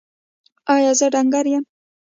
ایا زه ډنګر یم؟